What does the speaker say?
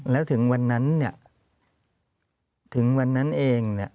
แล้วถึงวันนั้นเนี่ยถึงวันนั้นเองเนี่ย